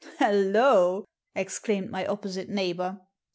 " Hallo!" exclaimed my opposite neighbour.